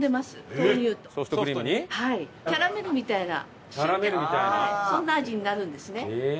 キャラメルみたいな塩気そんな味になるんですね。